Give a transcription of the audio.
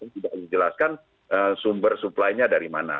tidak dijelaskan sumber supply nya dari mana